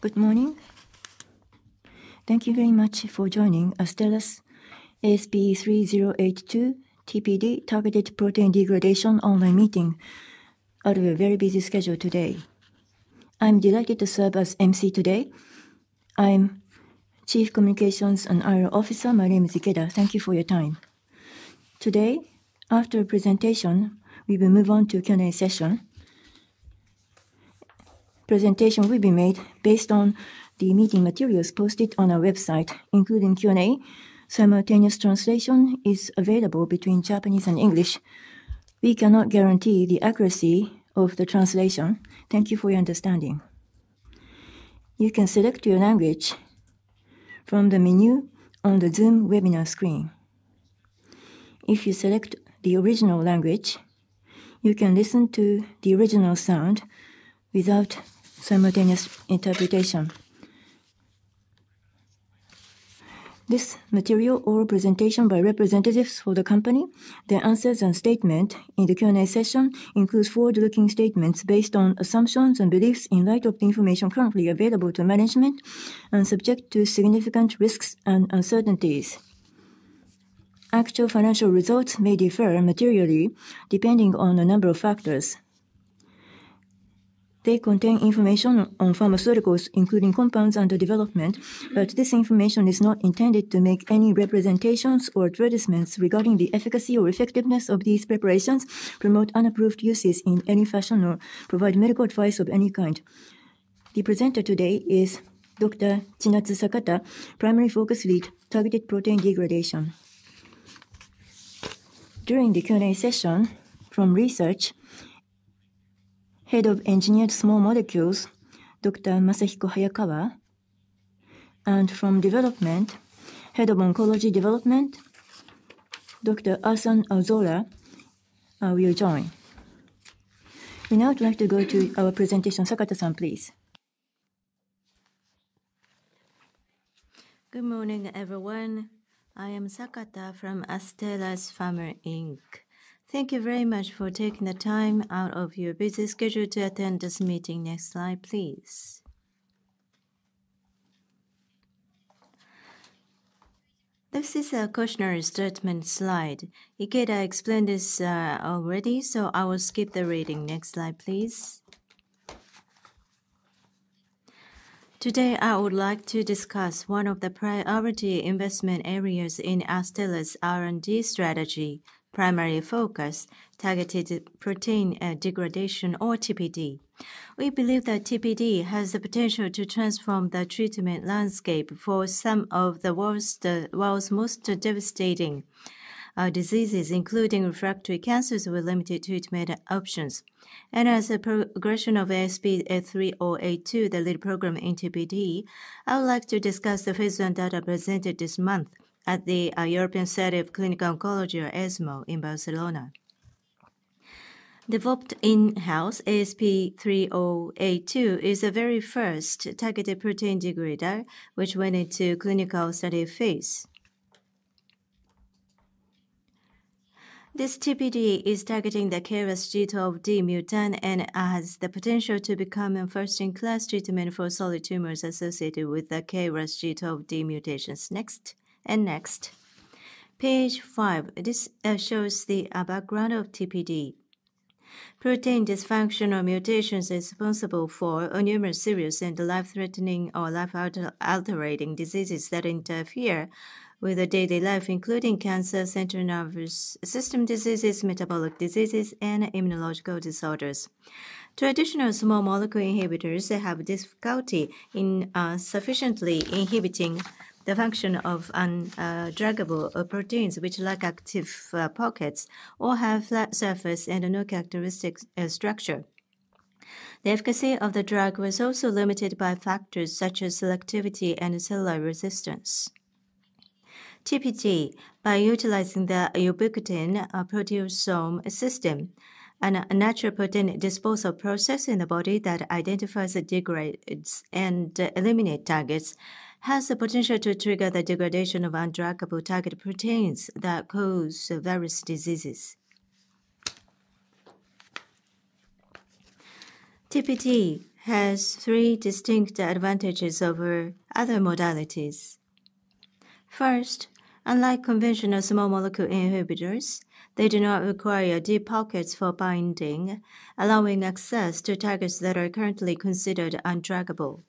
Good morning. Thank you very much for joining Astellas ASP3082 TPD, Targeted Protein Degradation online meeting, out of a very busy schedule today. I'm delighted to serve as MC today. I'm Chief Communications and IR Officer. My name is Ikeda. Thank you for your time. Today, after presentation, we will move on to Q&A session. Presentation will be made based on the meeting materials posted on our website, including Q&A. Simultaneous translation is available between Japanese and English. We cannot guarantee the accuracy of the translation. Thank you for your understanding. You can select your language from the menu on the Zoom webinar screen. If you select the original language, you can listen to the original sound without simultaneous interpretation. This material or presentation by representatives for the company, their answers and statement in the Q&A session, includes forward-looking statements based on assumptions and beliefs in light of the information currently available to management and subject to significant risks and uncertainties. Actual financial results may differ materially, depending on a number of factors. They contain information on pharmaceuticals, including compounds under development, but this information is not intended to make any representations or endorsements regarding the efficacy or effectiveness of these preparations, promote unapproved uses in any fashion, or provide medical advice of any kind. The presenter today is Dr. Chinatsu Sakata, Primary Focus Lead, Targeted Protein Degradation. During the Q&A session, from research, Head of Engineered Small Molecules, Dr. Masahiko Hayakawa, and from development, Head of Oncology Development, Dr. Ahsan Arozullah, will join. We now would like to go to our presentation. Sakata-san, please. Good morning, everyone. I am Sakata from Astellas Pharma Inc. Thank you very much for taking the time out of your busy schedule to attend this meeting. Next slide, please. This is a cautionary statement slide. Ikeda explained this already, so I will skip the reading. Next slide, please. Today, I would like to discuss one of the priority investment areas in Astellas' R&D strategy, Primary Focus, targeted protein degradation or TPD. We believe that TPD has the potential to transform the treatment landscape for some of the world's most devastating diseases, including refractory cancers with limited treatment options, and as a progression of ASP3082, the lead program in TPD, I would like to discuss the phase I data presented this month at the European Society of Medical Oncology, ESMO, in Barcelona. Developed in-house, ASP3082 is the very first targeted protein degrader, which went into clinical study phase. This TPD is targeting the KRAS G12D mutant and has the potential to become a first-in-class treatment for solid tumors associated with the KRAS G12D mutations. Next, and next. Page five. This shows the background of TPD. Protein dysfunction or mutations is responsible for numerous serious and life-threatening or life-altering diseases that interfere with the daily life, including cancer, central nervous system diseases, metabolic diseases, and immunological disorders. Traditional small molecule inhibitors, they have difficulty in sufficiently inhibiting the function of undruggable proteins, which lack active pockets or have flat surface and no characteristic structure. The efficacy of the drug was also limited by factors such as selectivity and cellular resistance. TPD, by utilizing the ubiquitin-proteasome system and a natural protein disposal process in the body that identifies, degrades, and eliminate targets, has the potential to trigger the degradation of undruggable target proteins that cause various diseases. TPD has three distinct advantages over other modalities. First, unlike conventional small molecule inhibitors, they do not require deep pockets for binding, allowing access to targets that are currently considered undruggable.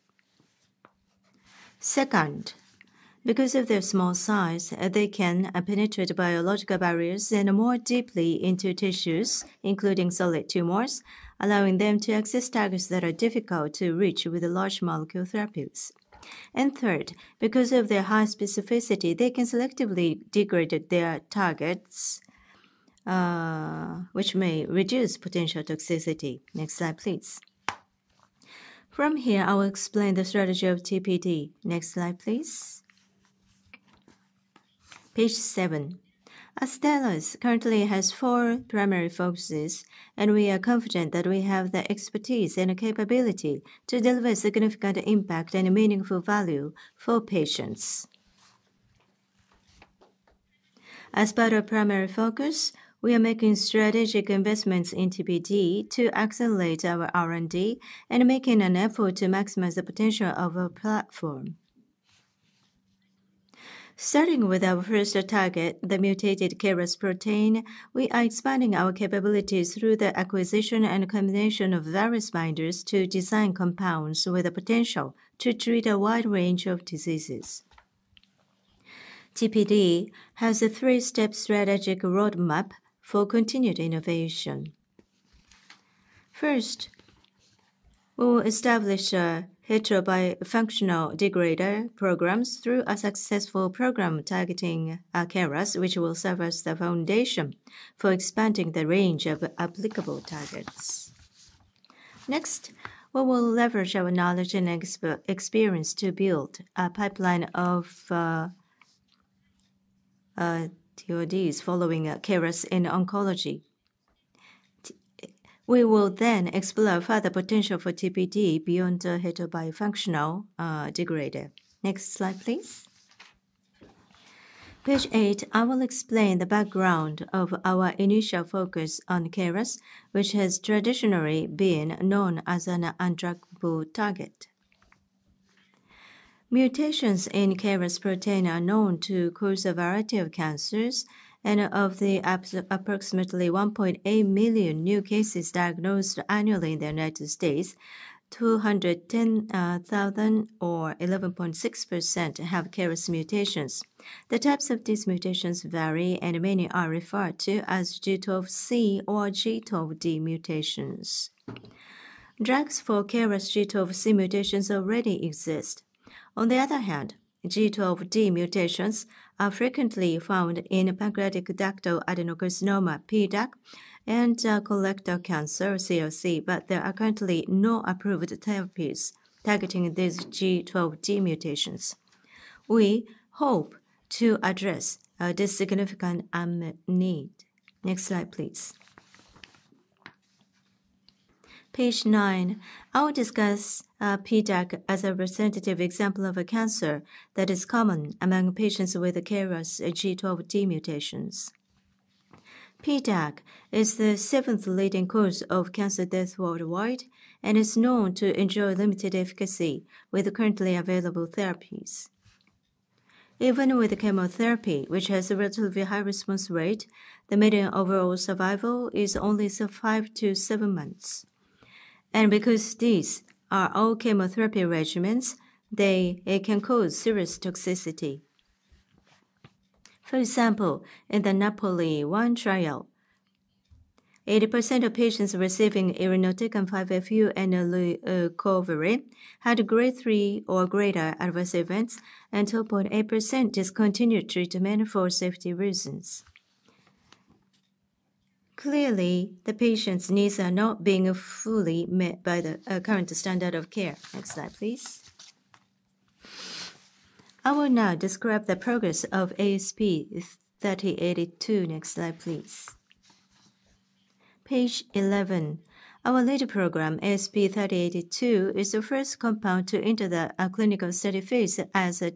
Second, because of their small size, they can penetrate biological barriers and more deeply into tissues, including solid tumors, allowing them to access targets that are difficult to reach with large molecule therapies. And third, because of their high specificity, they can selectively degrade their targets, which may reduce potential toxicity. Next slide, please. From here, I will explain the strategy of TPD. Next slide, please. Page seven. Astellas currently has four primary focuses, and we are confident that we have the expertise and the capability to deliver significant impact and meaningful value for patients. As part of primary focus, we are making strategic investments in TPD to accelerate our R&D and making an effort to maximize the potential of our platform. Starting with our first target, the mutated KRAS protein, we are expanding our capabilities through the acquisition and combination of various binders to design compounds with the potential to treat a wide range of diseases. TPD has a three-step strategic roadmap for continued innovation. First, we'll establish a hetero-bifunctional degrader programs through a successful program targeting KRAS, which will serve as the foundation for expanding the range of applicable targets. Next, we will leverage our knowledge and experience to build a pipeline of TPDs following KRAS in oncology. We will then explore further potential for TPD beyond the hetero-bifunctional degrader. Next slide, please. Page eight, I will explain the background of our initial focus on KRAS, which has traditionally been known as an undruggable target. Mutations in KRAS protein are known to cause a variety of cancers, and of the approximately 1.8 million new cases diagnosed annually in the United States, 210 thousand or 11.6% have KRAS mutations. The types of these mutations vary, and many are referred to as G12C or G12D mutations. Drugs for KRAS G12C mutations already exist. On the other hand, G12D mutations are frequently found in pancreatic ductal adenocarcinoma, PDAC, and colorectal cancer, CRC, but there are currently no approved therapies targeting these G12D mutations. We hope to address this significant unmet need. Next slide, please. Page nine. I'll discuss PDAC as a representative example of a cancer that is common among patients with KRAS G12D mutations. PDAC is the seventh leading cause of cancer death worldwide and is known to enjoy limited efficacy with the currently available therapies. Even with chemotherapy, which has a relatively high response rate, the median overall survival is only so five to seven months, and because these are all chemotherapy regimens, they can cause serious toxicity. For example, in the NAPOLI-1 trial, 80% of patients receiving irinotecan, 5-FU, and leucovorin had grade three or greater adverse events, and 2.8% discontinued treatment for safety reasons. Clearly, the patients' needs are not being fully met by the current standard of care. Next slide, please. I will now describe the progress of ASP3082. Next slide, please. Page 11. Our lead program, ASP3082, is the first compound to enter the clinical study phase as a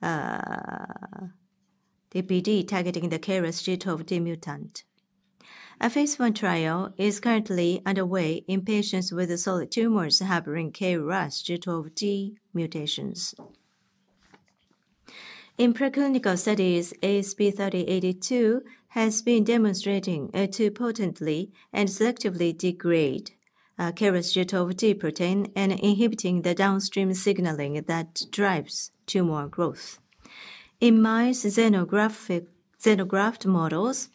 TPD targeting the KRAS G12D mutant. A phase I trial is currently underway in patients with solid tumors harboring KRAS G12D mutations. In preclinical studies, ASP3082 has been demonstrating to potently and selectively degrade KRAS G12D protein and inhibiting the downstream signaling that drives tumor growth. In mice xenograft models,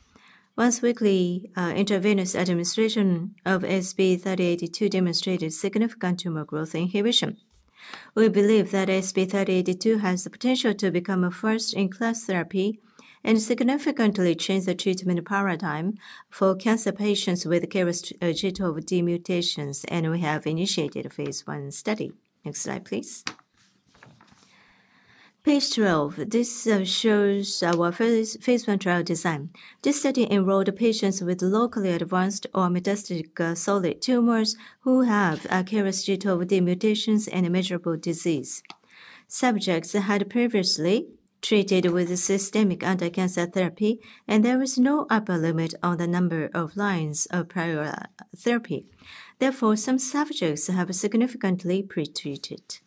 once weekly intravenous administration of ASP3082 demonstrated significant tumor growth inhibition. We believe that ASP3082 has the potential to become a first-in-class therapy and significantly change the treatment paradigm for cancer patients with KRAS G12D mutations, and we have initiated a phase I study. Next slide, please. Page 12. This shows our phase I trial design. This study enrolled patients with locally advanced or metastatic solid tumors who have a KRAS G12D mutations and measurable disease. Subjects had previously treated with systemic anticancer therapy, and there was no upper limit on the number of lines of prior therapy. Therefore, some subjects have significantly pretreated.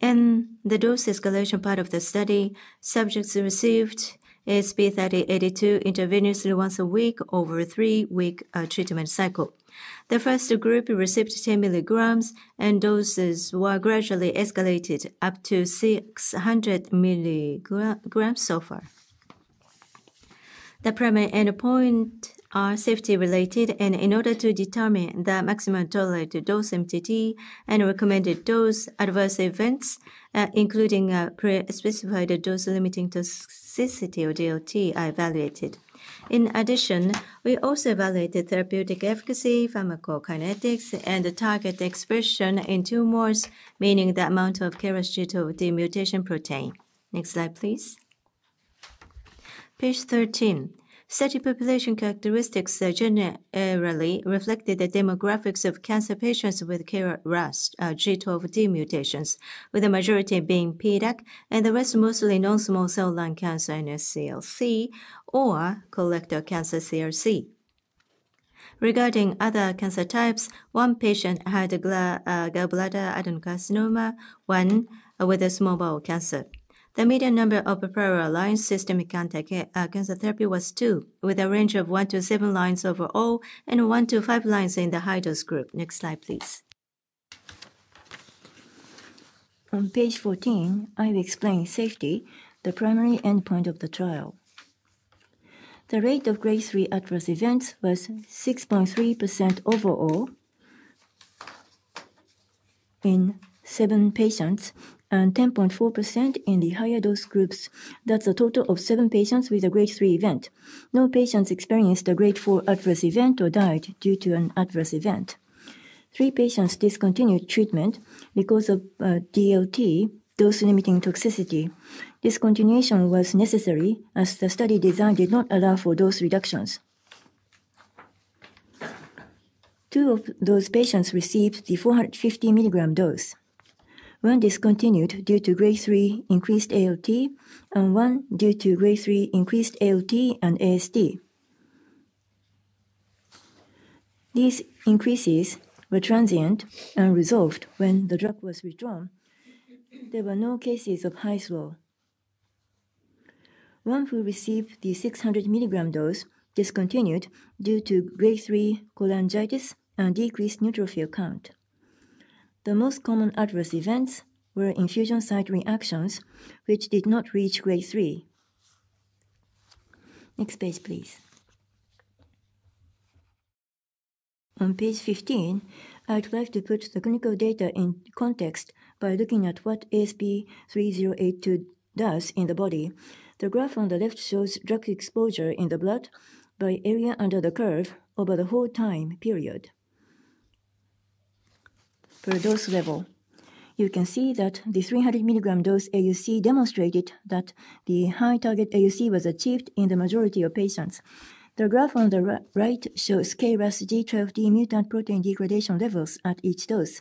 In the dose escalation part of the study, subjects received ASP3082 intravenously once a week over a three-week treatment cycle. The first group received 10 milligrams, and doses were gradually escalated up to 600 milligrams so far. The primary endpoint are safety-related, and in order to determine the maximum tolerated dose (MTD) and recommended dose, adverse events, including pre-specified dose-limiting toxicity or DLT, are evaluated. In addition, we also evaluated therapeutic efficacy, pharmacokinetics, and target expression in tumors, meaning the amount of KRAS G12D mutation protein. Next slide, please.... Page 13. Study population characteristics generally reflected the demographics of cancer patients with KRAS G12D mutations, with the majority being PDAC, and the rest mostly non-small cell lung cancer, NSCLC, or colorectal cancer, CRC. Regarding other cancer types, one patient had a gallbladder adenocarcinoma, one with a small bowel cancer. The median number of prior line systemic cancer care cancer therapy was two, with a range of one to seven lines overall and one to five lines in the high-dose group. Next slide, please. On page 14, I will explain safety, the primary endpoint of the trial. The rate of grade three adverse events was 6.3% overall in seven patients, and 10.4% in the higher dose groups. That's a total of seven patients with a grade three event. No patients experienced a grade four adverse event or died due to an adverse event. Three patients discontinued treatment because of DLT, dose-limiting toxicity. Discontinuation was necessary as the study design did not allow for dose reductions. Two of those patients received the 450 milligram dose. One discontinued due to grade three increased ALT, and one due to grade three increased ALT and AST. These increases were transient and resolved when the drug was withdrawn. There were no cases of Hy's Law. One who received the 600 milligram dose discontinued due to grade three cholangitis and decreased neutrophil count. The most common adverse events were infusion site reactions, which did not reach grade three. Next page, please. On page 15, I'd like to put the clinical data in context by looking at what ASP3082 does in the body. The graph on the left shows drug exposure in the blood by area under the curve over the whole time period per dose level. You can see that the 300 milligram dose AUC demonstrated that the high target AUC was achieved in the majority of patients. The graph on the right shows KRAS G12D mutant protein degradation levels at each dose.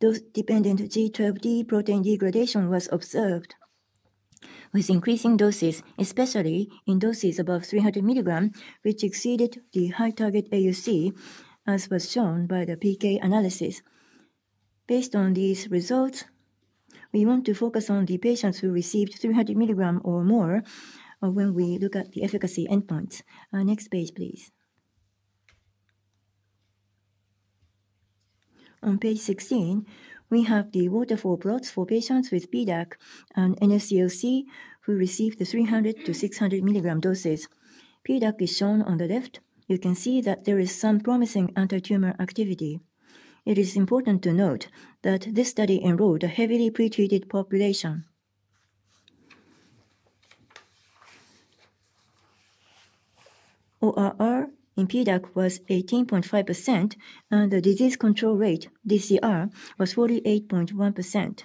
Dose-dependent G12D protein degradation was observed with increasing doses, especially in doses above 300 milligram, which exceeded the high target AUC, as was shown by the PK analysis. Based on these results, we want to focus on the patients who received 300 milligram or more, when we look at the efficacy endpoints. Next page, please. On page 16, we have the waterfall plots for patients with PDAC and NSCLC who received the 300 to 600 milligram doses. PDAC is shown on the left. You can see that there is some promising antitumor activity. It is important to note that this study enrolled a heavily pretreated population. ORR in PDAC was 18.5%, and the disease control rate, DCR, was 48.1%.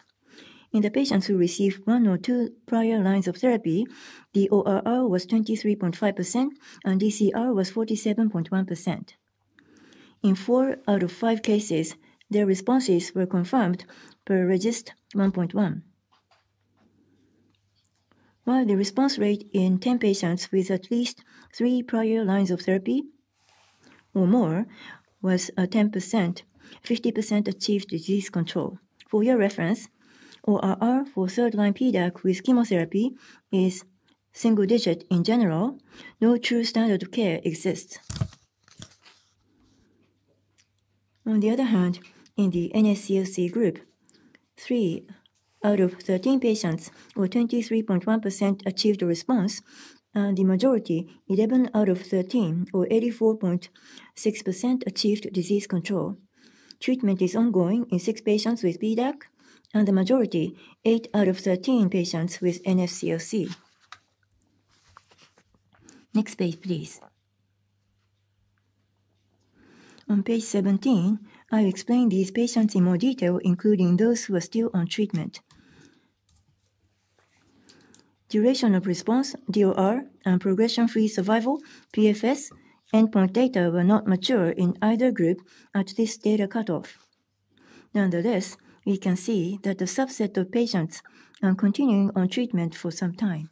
In the patients who received one or two prior lines of therapy, the ORR was 23.5%, and DCR was 47.1%. In four out of five cases, their responses were confirmed per RECIST 1.1. While the response rate in 10 patients with at least three prior lines of therapy or more was 10%, 50% achieved disease control. For your reference, ORR for third-line PDAC with chemotherapy is single digit. In general, no true standard of care exists. On the other hand, in the NSCLC group, three out of 13 patients, or 23.1%, achieved a response, and the majority, 11 out of 13, or 84.6%, achieved disease control. Treatment is ongoing in six patients with PDAC and the majority, eight out of 13 patients with NSCLC. Next page, please. On page 17, I explain these patients in more detail, including those who are still on treatment. Duration of response, DOR, and progression-free survival, PFS, endpoint data were not mature in either group at this data cutoff. Nonetheless, we can see that a subset of patients are continuing on treatment for some time.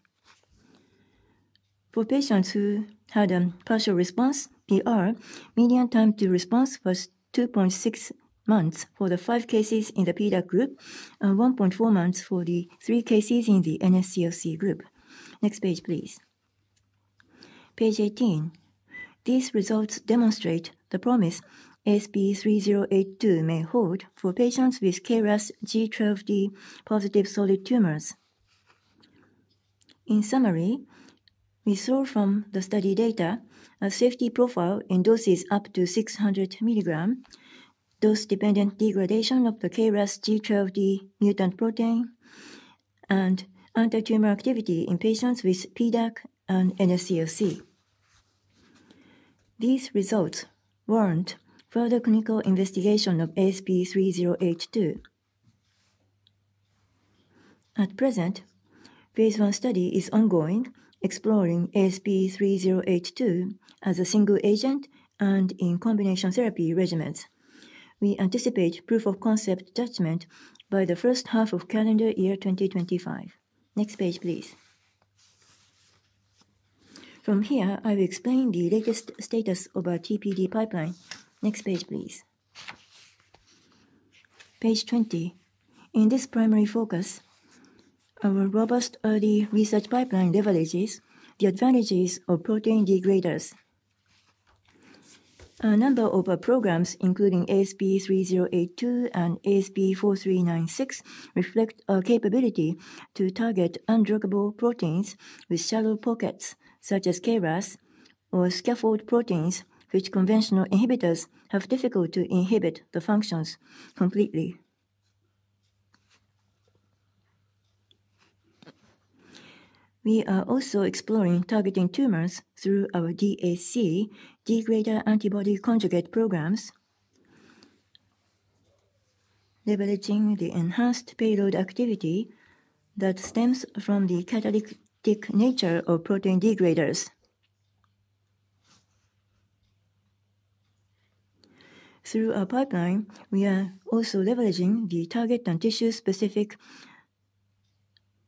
For patients who had a partial response, PR, median time to response was 2.6 months for the five cases in the PDAC group and 1.4 months for the three cases in the NSCLC group. Next page, please. Page 18. These results demonstrate the promise ASP3082 may hold for patients with KRAS G12D-positive solid tumors. In summary, we saw from the study data a safety profile in doses up to 600 milligrams, dose-dependent degradation of the KRAS G12D mutant protein, and antitumor activity in patients with PDAC and NSCLC. These results warrant further clinical investigation of ASP3082. At present, phase 1 study is ongoing, exploring ASP3082 as a single agent and in combination therapy regimens. We anticipate proof of concept judgment by the first half of calendar year 2025. Next page, please. From here, I will explain the latest status of our TPD pipeline. Next page, please. Page 20. In this primary focus, our robust early research pipeline leverages the advantages of protein degraders. A number of our programs, including ASP3082 and ASP4396, reflect our capability to target undruggable proteins with shallow pockets, such as KRAS or scaffold proteins, which conventional inhibitors have difficult to inhibit the functions completely. We are also exploring targeting tumors through our DAC, Degrader Antibody Conjugate programs, leveraging the enhanced payload activity that stems from the catalytic nature of protein degraders. Through our pipeline, we are also leveraging the target and tissue-specific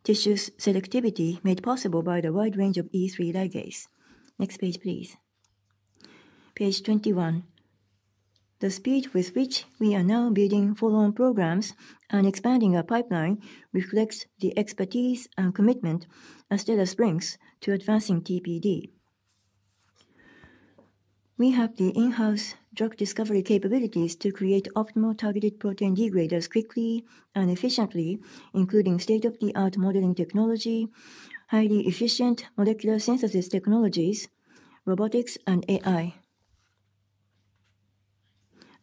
tissue selectivity made possible by the wide range of E3 ligase. Next page, please. Page 21. The speed with which we are now building follow-on programs and expanding our pipeline reflects the expertise and commitment Astellas brings to advancing TPD. We have the in-house drug discovery capabilities to create optimal targeted protein degraders quickly and efficiently, including state-of-the-art modeling technology, highly efficient molecular synthesis technologies, robotics, and AI.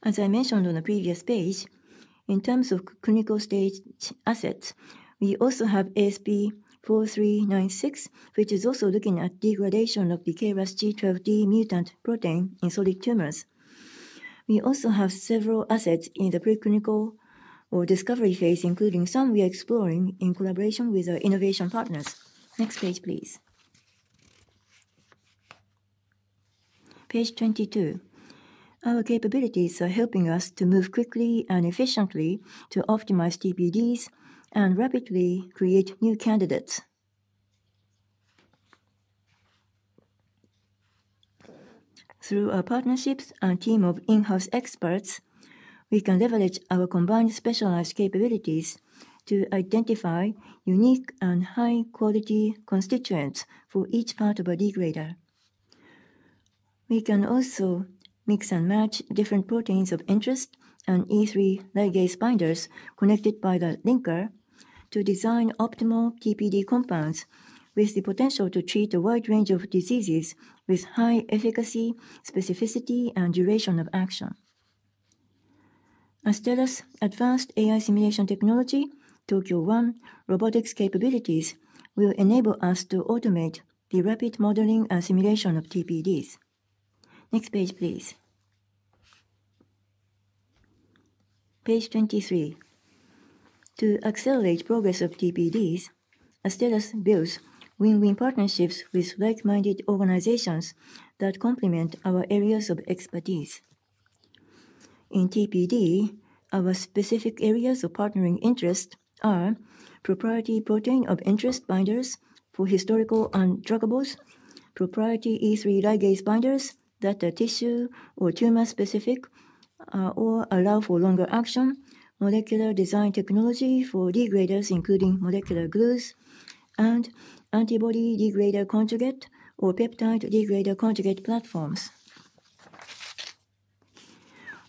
As I mentioned on the previous page, in terms of clinical-stage assets, we also have ASP4396, which is also looking at degradation of the KRAS G12D mutant protein in solid tumors. We also have several assets in the preclinical or discovery phase, including some we are exploring in collaboration with our innovation partners. Next page, please. Page 22. Our capabilities are helping us to move quickly and efficiently to optimize TPDs and rapidly create new candidates. Through our partnerships and team of in-house experts, we can leverage our combined specialized capabilities to identify unique and high-quality constituents for each part of a degrader. We can also mix and match different proteins of interest and E3 ligase binders connected by the linker to design optimal TPD compounds with the potential to treat a wide range of diseases with high efficacy, specificity, and duration of action. Astellas' advanced AI simulation technology, Tokyo-1 robotics capabilities, will enable us to automate the rapid modeling and simulation of TPDs. Next page, please. Page 23. To accelerate progress of TPDs, Astellas builds win-win partnerships with like-minded organizations that complement our areas of expertise. In TPD, our specific areas of partnering interest are proprietary protein of interest binders for historical undruggables, proprietary E3 ligase binders that are tissue or tumor-specific, or allow for longer action, molecular design technology for degraders, including molecular glues and antibody degrader conjugate or peptide degrader conjugate platforms.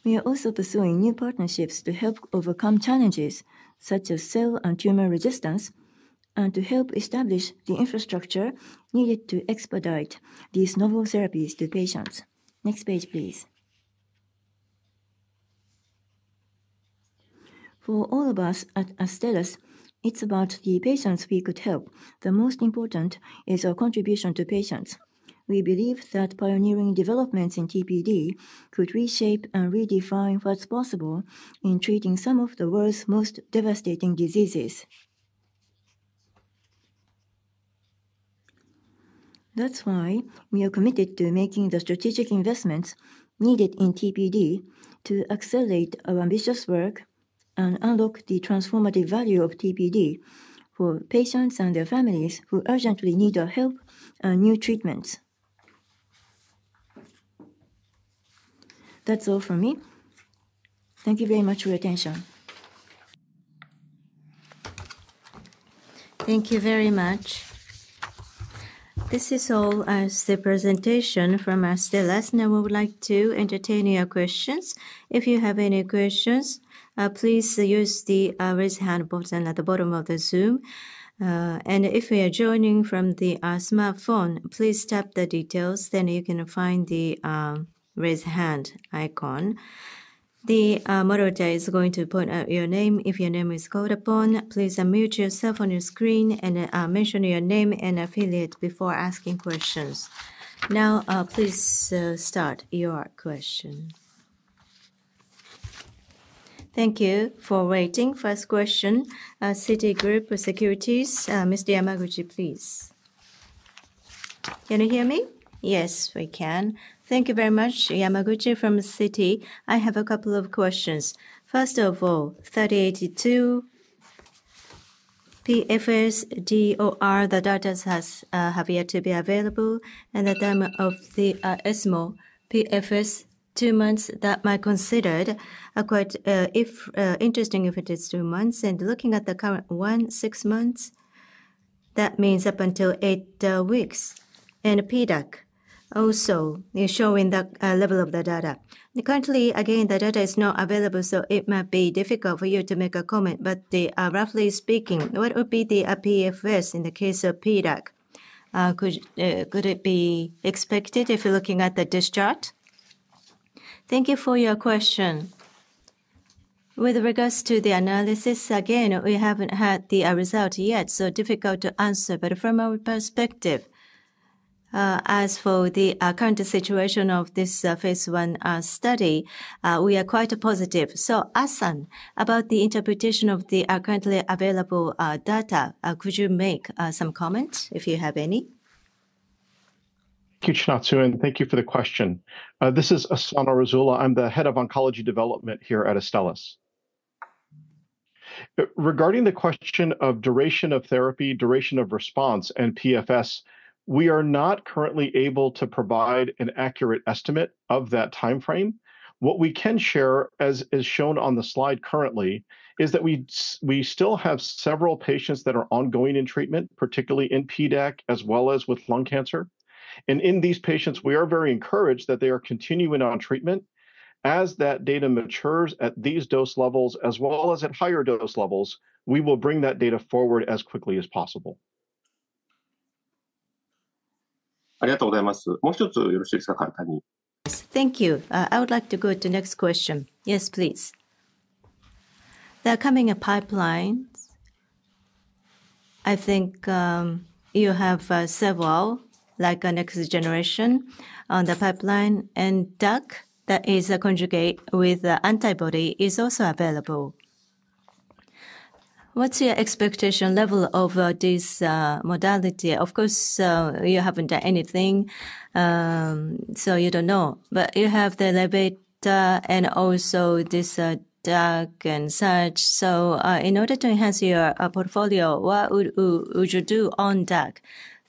We are also pursuing new partnerships to help overcome challenges such as cell and tumor resistance, and to help establish the infrastructure needed to expedite these novel therapies to patients. Next page, please. For all of us at Astellas, it's about the patients we could help. The most important is our contribution to patients. We believe that pioneering developments in TPD could reshape and redefine what's possible in treating some of the world's most devastating diseases. That's why we are committed to making the strategic investments needed in TPD to accelerate our ambitious work and unlock the transformative value of TPD for patients and their families who urgently need our help and new treatments. That's all from me. Thank you very much for your attention. Thank you very much. This is all the presentation from Astellas. Now, we would like to entertain your questions. If you have any questions, please use the raise hand button at the bottom of the Zoom. And if you are joining from the smartphone, please tap the details, then you can find the raise hand icon.... The moderator is going to point out your name. If your name is called upon, please unmute yourself on your screen, and mention your name and affiliate before asking questions. Now, please start your question. Thank you for waiting. First question, Citigroup Securities, Mr. Yamaguchi, please Can you hear me? Yes, we can. Thank you very much. Yamaguchi from Citi. I have a couple of questions. First of all, ASP3082, PFS, DOR, the datas has have yet to be available, and the term of the ESMO PFS, two months that might considered are quite interesting if it is two months. And looking at the current one, six months, that means up until eight weeks. And PDAC also is showing the level of the data. Currently, again, the data is not available, so it might be difficult for you to make a comment, but the, roughly speaking, what would be the PFS in the case of PDAC? Could it be expected if you're looking at this chart? Thank you for your question. With regards to the analysis, again, we haven't had the result yet, so difficult to answer. But from our perspective, as for the current situation of this phase one study, we are quite positive. So, Ahsan, about the interpretation of the currently available data, could you make some comments, if you have any? Thank you, Chinatsu, and thank you for the question. This is Ahsan Arozullah. I'm the Head of Oncology Development here at Astellas. Regarding the question of duration of therapy, duration of response, and PFS, we are not currently able to provide an accurate estimate of that timeframe. What we can share, as shown on the slide currently, is that we still have several patients that are ongoing in treatment, particularly in PDAC, as well as with lung cancer. In these patients, we are very encouraged that they are continuing on treatment. As that data matures at these dose levels as well as at higher dose levels, we will bring that data forward as quickly as possible. Thank you. I would like to go to next question. Yes, please. The coming of pipelines, I think, you have several, like a next generation on the pipeline, and DAC, that is a conjugate with the antibody, is also available. What's your expectation level of this modality? Of course, you haven't done anything, so you don't know, but you have the Levita and also this DAC and such. So, in order to enhance your portfolio, what would you do on DAC?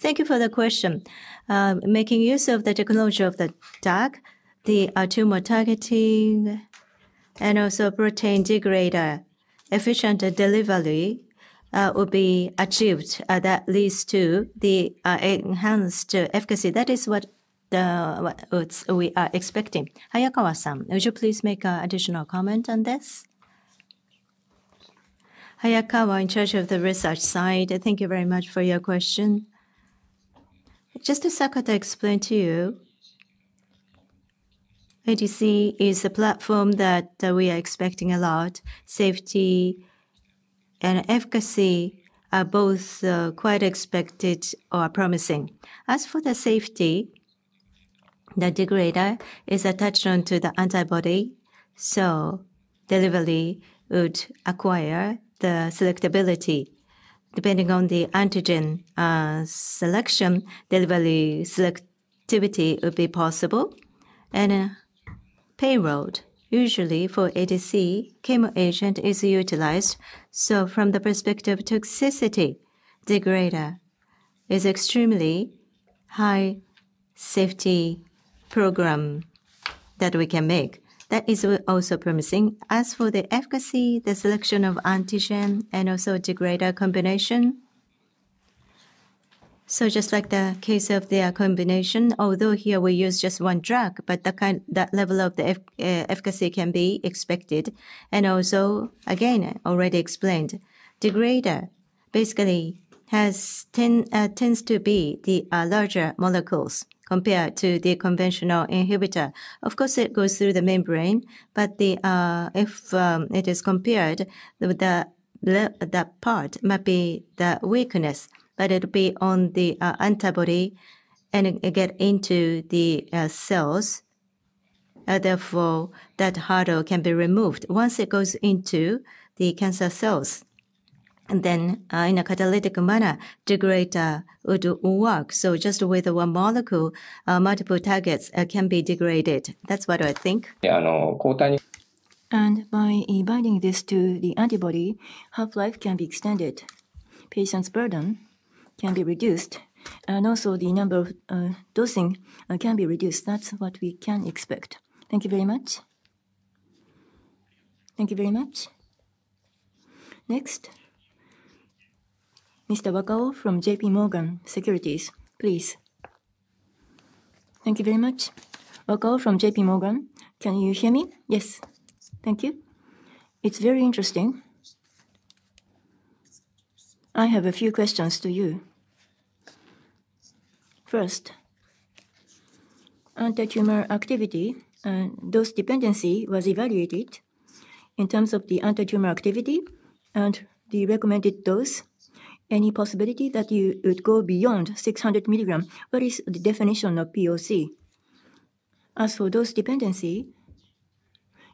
Thank you for the question. Making use of the technology of the DAC, the tumor targeting and also protein degrader, efficient delivery will be achieved, that leads to the enhanced efficacy. That is what it's... we are expecting. Hayakawa-san, would you please make a additional comment on this? Hayakawa, in charge of the research side. Thank you very much for your question. Just as Sakata explained to you, ADC is a platform that we are expecting a lot. Safety and efficacy are both quite expected or promising. As for the safety, the degrader is attached onto the antibody, so delivery would acquire the selectability. Depending on the antigen, selection, delivery selectivity would be possible. And payload, usually for ADC, chemo agent is utilized. So, from the perspective toxicity degrader is extremely high safety program that we can make. That is also promising. As for the efficacy, the selection of antigen and also degrader combination. So just like the case of the combination, although here we use just one drug, but that level of the efficacy can be expected. And also, again, already explained, degrader basically tends to be the larger molecules compared to the conventional inhibitor. Of course, it goes through the membrane, but if it is compared with the larger, that part might be the weakness, but it'll be on the antibody and it gets into the cells, therefore, that hurdle can be removed. Once it goes into the cancer cells, then in a catalytic manner, degrader would work. So just with one molecule, multiple targets can be degraded. That's what I think. And by linking this to the antibody, half-life can be extended. Patient's burden can be reduced, and also the number of dosing can be reduced. That's what we can expect. Thank you very much. Thank you very much. Next, Mr. Wakao from JPMorgan Securities, please. Thank you very much. Wakao from JPMorgan. Can you hear me? Yes. Thank you. It's very interesting. I have a few questions to you. First, anti-tumor activity and dose dependency was evaluated in terms of the anti-tumor activity and the recommended dose. Any possibility that you would go beyond 600 milligrams? What is the definition of POC? As for dose dependency,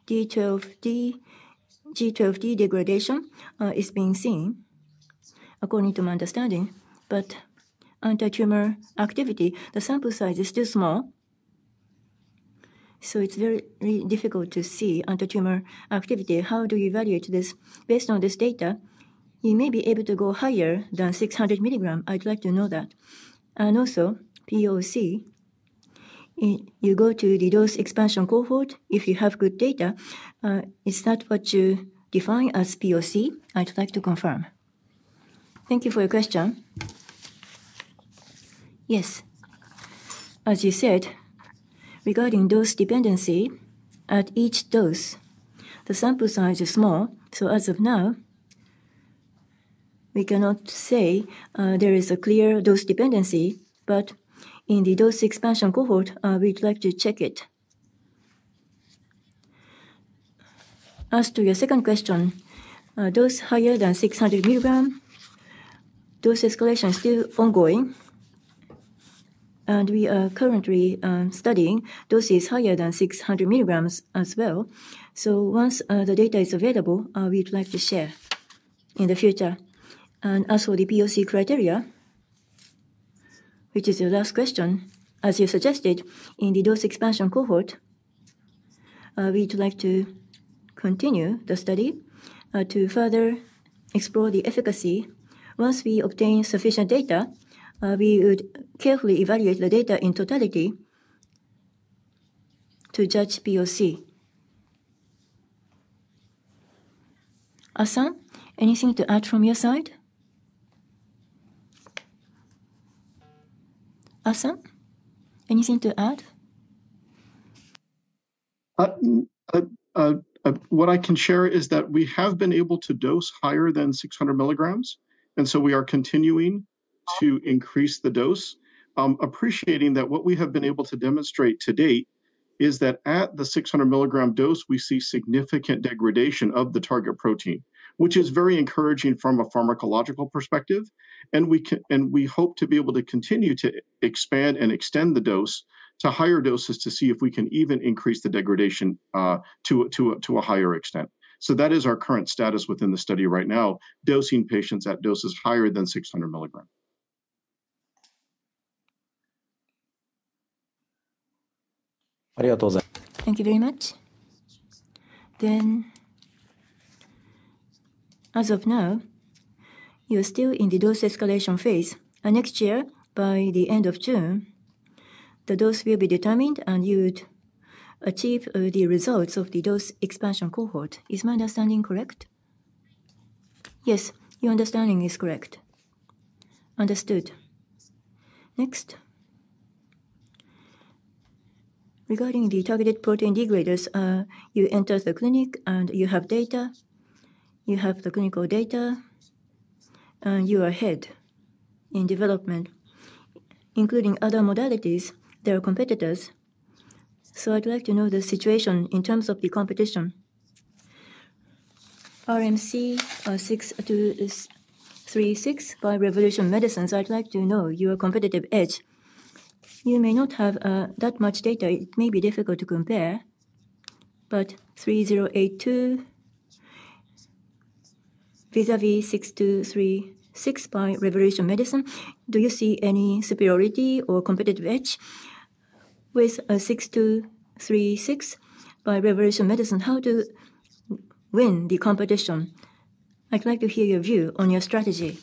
G12D degradation is being seen according to my understanding, but anti-tumor activity, the sample size is still small, so it's very difficult to see anti-tumor activity. How do you evaluate this? Based on this data, you may be able to go higher than 600 milligrams. I'd like to know that. And also, POC, you go to the dose expansion cohort if you have good data, is that what you define as POC? I'd like to confirm. Thank you for your question. Yes. As you said, regarding dose dependency at each dose, the sample size is small, so as of now, we cannot say there is a clear dose dependency, but in the dose expansion cohort, we'd like to check it. As to your second question, dose higher than 600 milligrams, dose escalation is still ongoing, and we are currently studying doses higher than 600 milligrams as well. So, once the data is available, we'd like to share in the future. And as for the POC criteria, which is your last question, as you suggested, in the dose expansion cohort, we'd like to continue the study to further explore the efficacy. Once we obtain sufficient data, we would carefully evaluate the data in totality to judge POC. Ahsan, anything to add from your side? Ahsan, anything to add? What I can share is that we have been able to dose higher than 600 milligrams, and so we are continuing to increase the dose. Appreciating that what we have been able to demonstrate to date is that at the 600 milligram dose, we see significant degradation of the target protein, which is very encouraging from a pharmacological perspective, and we hope to be able to continue to expand and extend the dose to higher doses to see if we can even increase the degradation to a higher extent. So that is our current status within the study right now, dosing patients at doses higher than 600 milligram. Thank you very much. Then, as of now, you're still in the dose escalation phase, and next year, by the end of June, the dose will be determined, and you would achieve the results of the dose expansion cohort. Is my understanding correct? Yes, your understanding is correct. Understood. Next, regarding the targeted protein degraders, you enter the clinic, and you have data, you have the clinical data, and you are ahead in development, including other modalities, there are competitors. So I'd like to know the situation in terms of the competition. RMC-6236 by Revolution Medicines. I'd like to know your competitive edge. You may not have that much data. It may be difficult to compare, but 3082 vis-a-vis 6236 by Revolution Medicines. Do you see any superiority or competitive edge with 6236 by Revolution Medicines? How to win the competition? I'd like to hear your view on your strategy.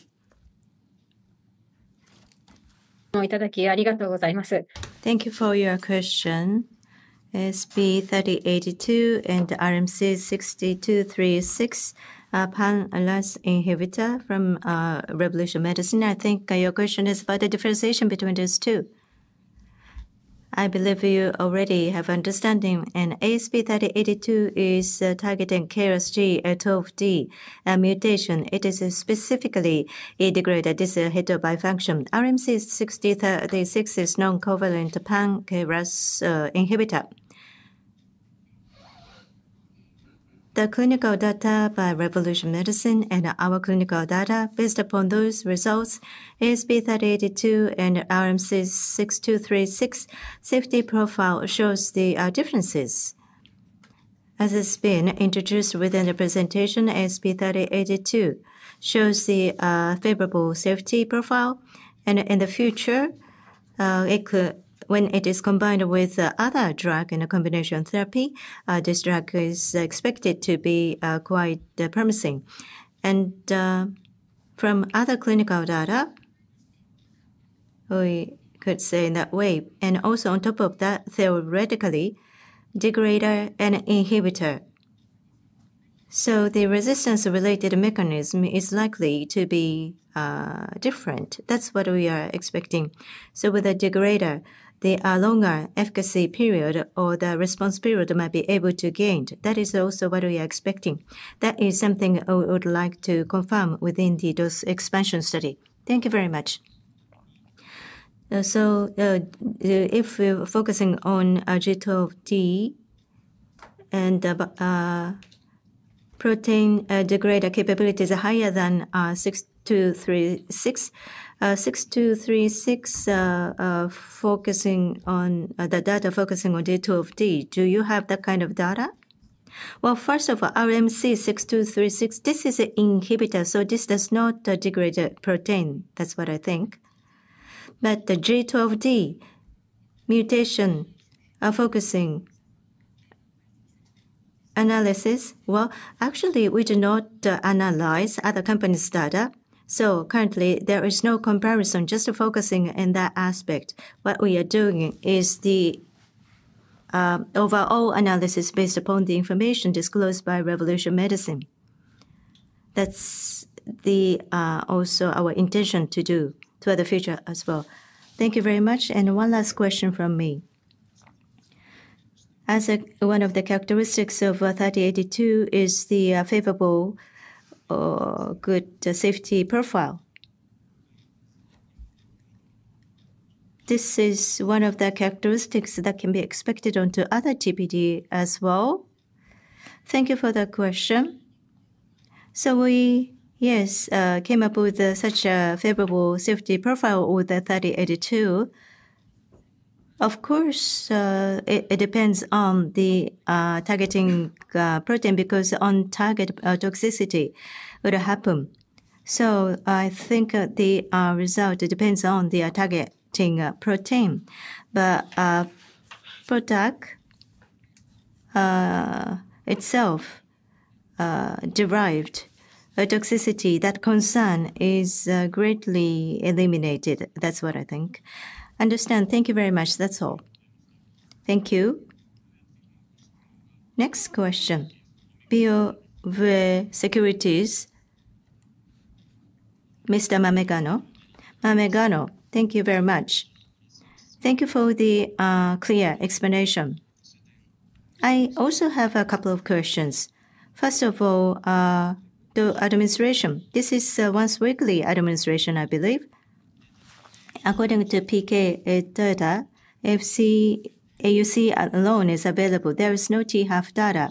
Thank you for your question. ASP3082 and RMC-6236, pan-KRAS inhibitor from Revolution Medicines. I think your question is about the differentiation between those two. I believe you already have understanding, and ASP3082 is targeting KRAS G12D mutation. It is specifically a degrader, this is a hetero-bifunctional. RMC-6236 is non-covalent pan-KRAS inhibitor. The clinical data by Revolution Medicines and our clinical data, based upon those results, ASP3082 and RMC-6236 safety profile shows the differences. As it's been introduced within the presentation, ASP3082 shows the favorable safety profile. And in the future, it could... When it is combined with other drug in a combination therapy, this drug is expected to be quite promising. From other clinical data, we could say in that way, and also on top of that, theoretically, degrader and inhibitor, so the resistance-related mechanism is likely to be different. That's what we are expecting. With a degrader, the longer efficacy period or the response period might be able to gained. That is also what we are expecting. That is something I would like to confirm within the dose expansion study. Thank you very much. If we're focusing on G12D and protein degrader capabilities are higher than RMC-6236, RMC-6236 focusing on the data focusing on G12D. Do you have that kind of data? First of all, RMC-6236, this is an inhibitor, so this does not degrade the protein. That's what I think. But the G12D mutation focusing analysis, well, actually, we do not analyze other company's data, so currently there is no comparison, just focusing in that aspect. What we are doing is the overall analysis based upon the information disclosed by Revolution Medicines. That's also our intention to do to the future as well. Thank you very much, and one last question from me. As one of the characteristics of ASP3082 is the favorable or good safety profile. This is one of the characteristics that can be expected onto other TPD as well? Thank you for the question. So, we yes came up with such a favorable safety profile with the ASP3082. Of course, it depends on the targeting protein because on target toxicity would happen. I think the result depends on the targeting protein. But for drug itself derived a toxicity, that concern is greatly eliminated. That's what I think. Understand. Thank you very much. That's all. Thank you. Next question, BofA Securities, Mr. Mamegano. Mamegano, thank you very much. Thank you for the clear explanation. I also have a couple of questions. First of all, the administration. This is a once-weekly administration, I believe. According to PK data, Cmax AUC alone is available. There is no T-half data.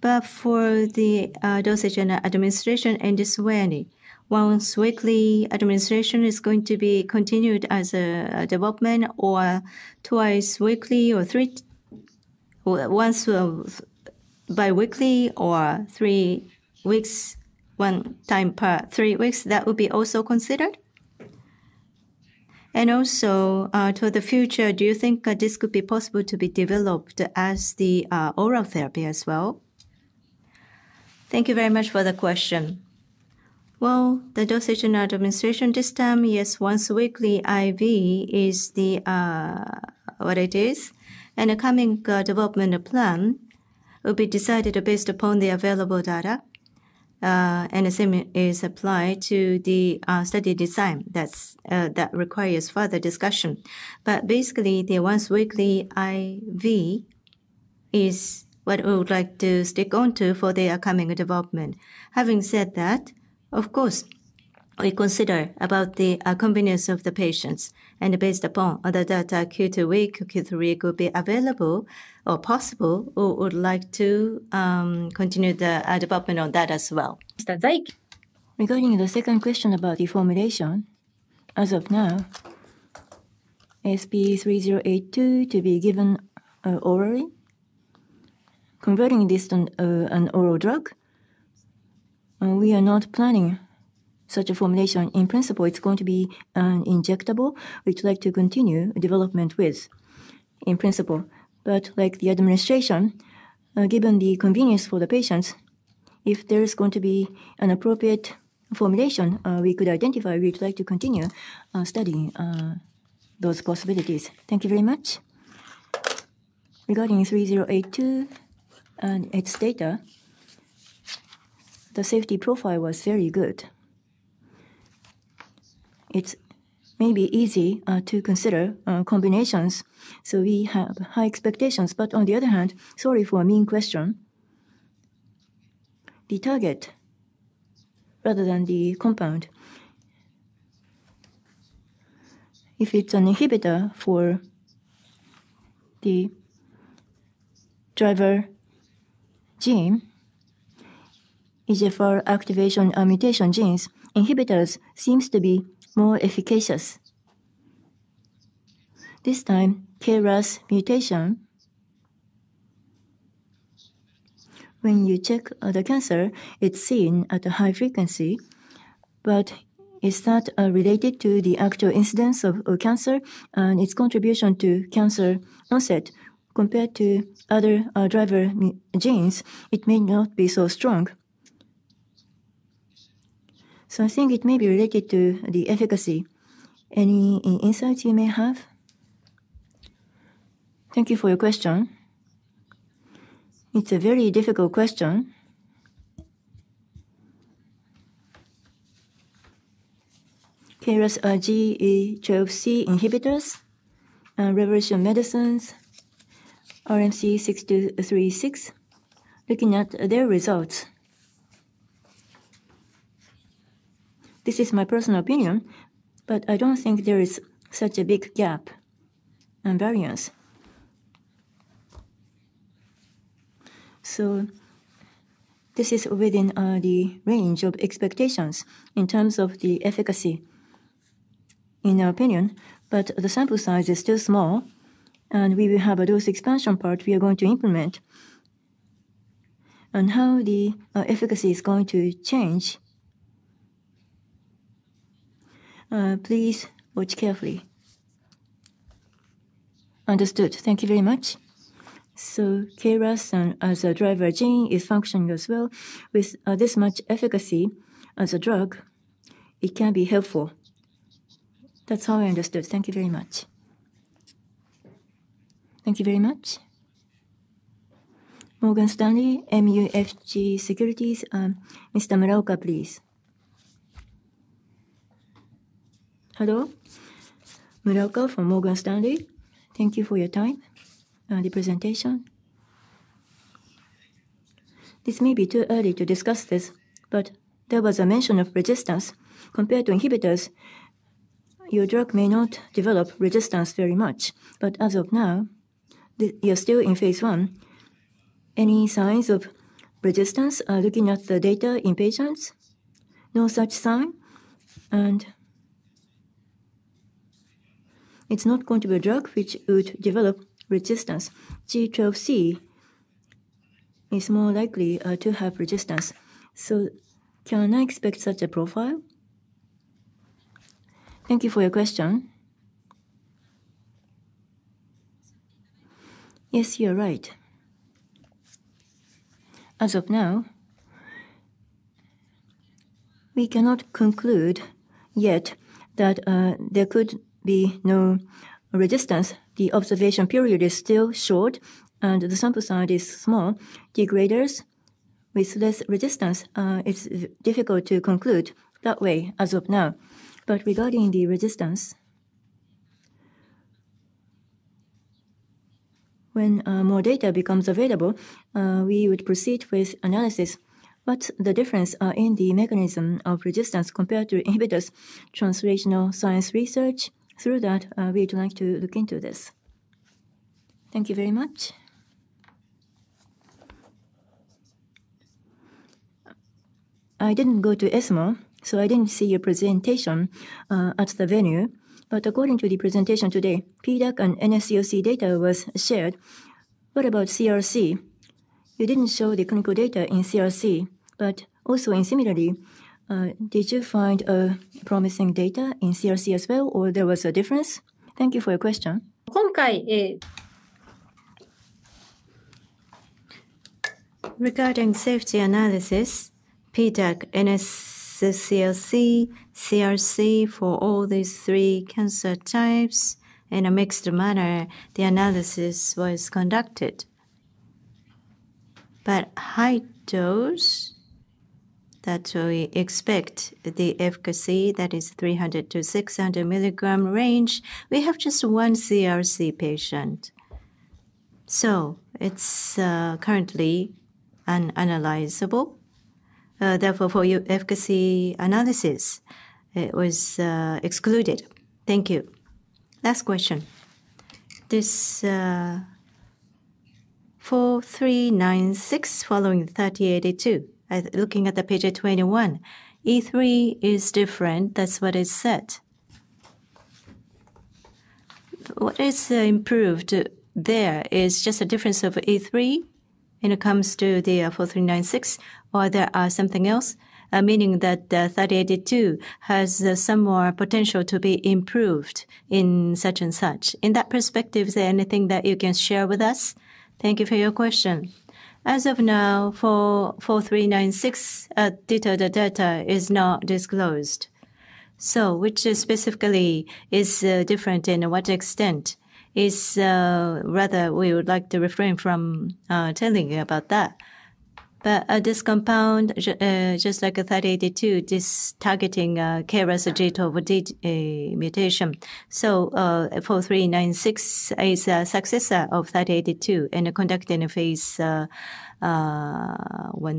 But for the dosage and administration in this way, once-weekly administration is going to be continued as a development or twice weekly or three times once bi-weekly or three weeks, one time per three weeks, that would be also considered? And also, to the future, do you think this could be possible to be developed as the oral therapy as well? Thank you very much for the question. Well, the dosage and administration, this time, yes, once-weekly IV is what it is, and a coming development plan will be decided based upon the available data, and the same is applied to the study design. That's that requires further discussion. But basically, the once-weekly IV is what we would like to stick onto for the upcoming development. Having said that, of course, we consider about the convenience of the patients, and based upon other data, Q2 week, Q3 could be available or possible. We would like to continue the development on that as well. Regarding the second question about the formulation, as of now, ASP3082 to be given orally. Converting this to an oral drug, we are not planning such a formulation. In principle, it's going to be an injectable, which we'd like to continue development with in principle. But like the administration, given the convenience for the patients, if there is going to be an appropriate formulation, we could identify, we'd like to continue studying those possibilities. Thank you very much. Regarding ASP3082 and its data, the safety profile was very good. It's maybe easy to consider combinations, so we have high expectations. But on the other hand, sorry for a mean question, the target rather than the compound, if it's an inhibitor for the driver gene, is it for activation or mutation genes? Inhibitors seems to be more efficacious. This time, KRAS mutation, when you check the cancer, it's seen at a high frequency, but is that related to the actual incidence of cancer and its contribution to cancer onset? Compared to other driver genes, it may not be so strong. So I think it may be related to the efficacy. Any insights you may have? Thank you for your question. It's a very difficult question. KRAS G12C inhibitors, Revolution Medicines, RMC-6236, looking at their results. This is my personal opinion, but I don't think there is such a big gap and variance. So this is within the range of expectations in terms of the efficacy, in our opinion, but the sample size is still small, and we will have a dose expansion part we are going to implement. And how the efficacy is going to change, please watch carefully. Understood. Thank you very much. So KRAS and as a driver gene, is functioning as well. With this much efficacy as a drug, it can be helpful. That's how I understood. Thank you very much. Thank you very much. Morgan Stanley MUFG Securities, Mr. Muraoka, please. Hello? Muraoka from Morgan Stanley. Thank you for your time, the presentation. This may be too early to discuss this, but there was a mention of resistance. Compared to inhibitors, your drug may not develop resistance very much, but as of now, you're still in phase one. Any signs of resistance are looking at the data in patients? No such sign, and it's not going to be a drug which would develop resistance. G12C is more likely to have resistance. So can I expect such a profile? Thank you for your question. Yes, you're right. As of now, we cannot conclude yet that there could be no resistance. The observation period is still short, and the sample size is small. Degraders with less resistance, it's difficult to conclude that way as of now. But regarding the resistance, when more data becomes available, we would proceed with analysis. But the difference in the mechanism of resistance compared to inhibitors, translational science research, through that, we'd like to look into this. Thank you very much. I didn't go to ESMO, so I didn't see your presentation at the venue. But according to the presentation today, PDAC and NSCLC data was shared. What about CRC? You didn't show the clinical data in CRC, but also in similarly, did you find promising data in CRC as well, or there was a difference? Thank you for your question. Regarding safety analysis, PDAC, NSCLC, CRC, for all these three cancer types in a mixed manner, the analysis was conducted. But high dose that we expect the efficacy, that is 300-600 milligram range, we have just one CRC patient. So, it's currently unanalyzable. Therefore, for your efficacy analysis, it was excluded. Thank you. Last question. This ASP4396 following ASP3082. Looking at the page 21, E3 is different. That's what it said. What is improved there? Is just a difference of E3 when it comes to the 4396, or there are something else, meaning that the 3082 has some more potential to be improved in such and such? In that perspective, is there anything that you can share with us? Thank you for your question. As of now, for 4396, data, the data is not disclosed. So which specifically is different and to what extent is, rather we would like to refrain from telling you about that. But, this compound, just like 3082, this targeting KRAS G12D mutation. So, 4396 is a successor of 3082 and conducting a phase I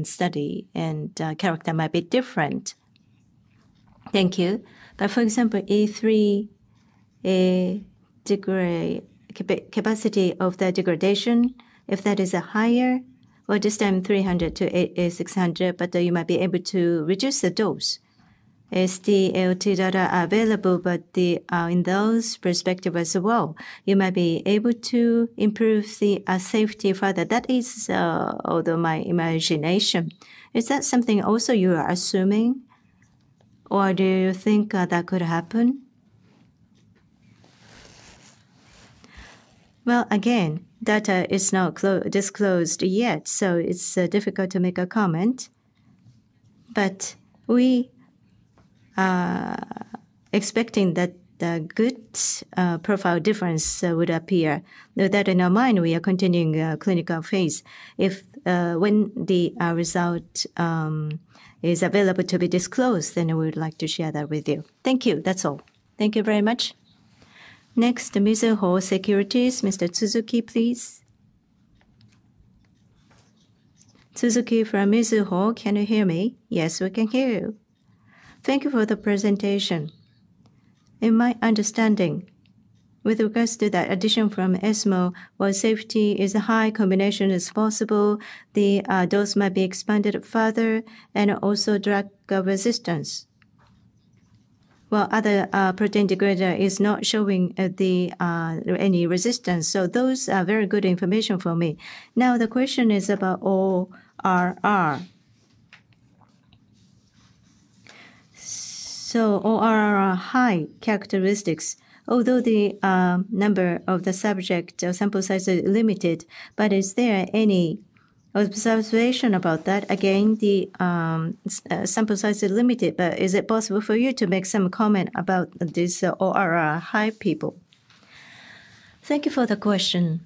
study, and character might be different. Thank you. But for example, E3 degradative capacity of the degradation, if that is higher, at this time three hundred to six hundred, but you might be able to reduce the dose. Is the DLT data available, but in those perspectives as well, you might be able to improve the safety further. That is, although my imagination. Is that something also you are assuming, or do you think that could happen? Again, data is not disclosed yet, so it's difficult to make a comment. But we are expecting that the good profile difference would appear. With that in our mind, we are continuing clinical phase. When the result is available to be disclosed, then we would like to share that with you. Thank you. That's all. Thank you very much. Next, from Mizuho Securities, Mr. Tsuzuki, please. Tsuzuki from Mizuho. Can you hear me? Yes, we can hear you. Thank you for the presentation. In my understanding, with regards to the addition from ESMO, while safety is high, combination is possible, the dose might be expanded further, and also drug resistance. While other protein degrader is not showing any resistance. So those are very good information for me. Now, the question is about ORR. So, ORR are high characteristics, although the number of the subject sample size is limited, but is there any observation about that? Again, the sample size is limited, but is it possible for you to make some comment about this ORR high people? Thank you for the question.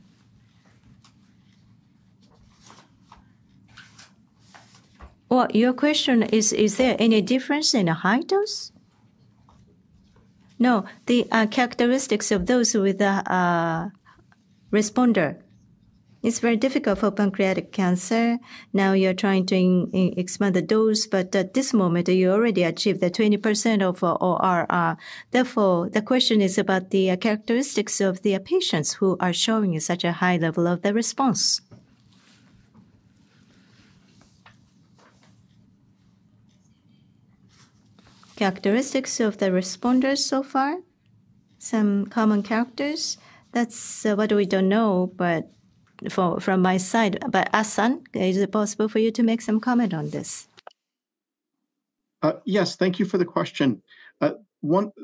Well, your question is, is there any difference in the high dose? No, the characteristics of those with the responder. It's very difficult for pancreatic cancer. Now you're trying to expand the dose, but at this moment you already achieved the 20% of ORR. Therefore, the question is about the characteristics of the patients who are showing such a high level of the response. Characteristics of the responders so far, some common characteristics, that's what we don't know, but from my side. But, Ahsan, is it possible for you to make some comment on this? Yes. Thank you for the question.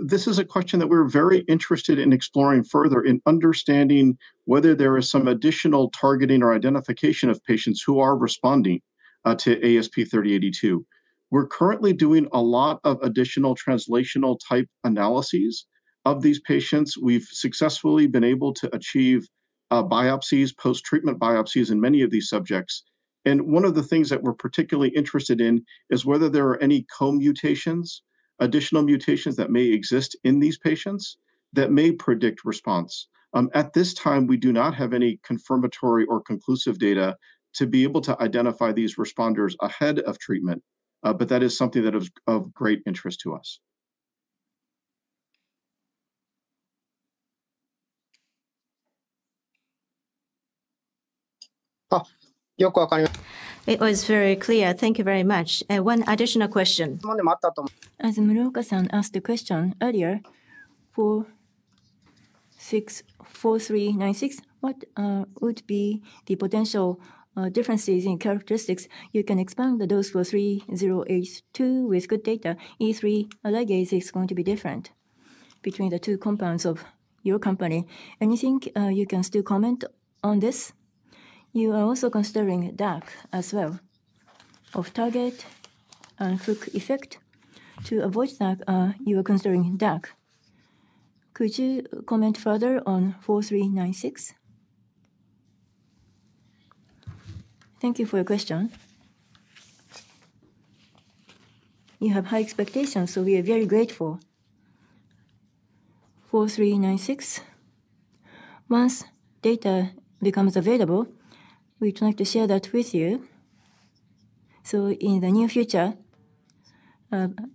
This is a question that we're very interested in exploring further, in understanding whether there is some additional targeting or identification of patients who are responding to ASP3082. We're currently doing a lot of additional translational-type analyses of these patients. We've successfully been able to achieve biopsies, post-treatment biopsies in many of these subjects. And one of the things that we're particularly interested in is whether there are any co-mutations, additional mutations that may exist in these patients, that may predict response. At this time, we do not have any confirmatory or conclusive data to be able to identify these responders ahead of treatment, but that is something that is of great interest to us. It was very clear. Thank you very much. One additional question. As Muraoka-san asked the question earlier, for ASP4396, what would be the potential differences in characteristics? You can expand the dose for ASP3082 with good data. E3 ligase, is going to be different between the two compounds of your company. Anything you can still comment on this? You are also considering DAC as well, off target and hook effect. To avoid that, you are considering DAC. Could you comment further on ASP4396? Thank you for your question. You have high expectations, so we are very grateful. ASP4396, once data becomes available, we'd like to share that with you. In the near future,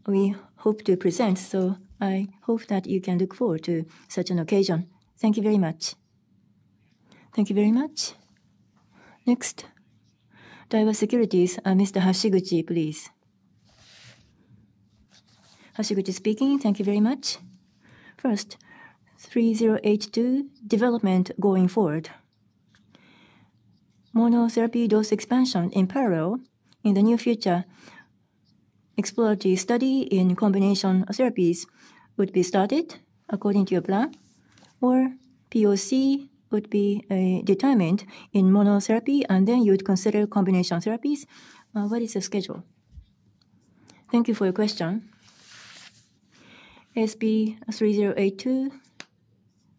we hope to present, so I hope that you can look forward to such an occasion. Thank you very much. Thank you very much. Next, Daiwa Securities, Mr. Hashiguchi, please. Thank you very much. First, ASP3082 development going forward. Monotherapy dose expansion in parallel in the near future, exploratory study in combination therapies would be started according to your plan, or POC would be determined in monotherapy, and then you would consider combination therapies. What is the schedule? Thank you for your question. ASP3082,